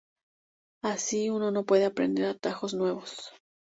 Así uno puede aprender atajos nuevos.